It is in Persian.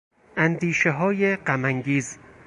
اندیشههای غم انگیز